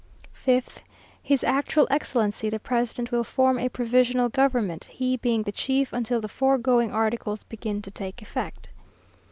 5th. "His actual Excellency, the President, will form a provisional government, he being the chief, until the foregoing articles begin to take effect.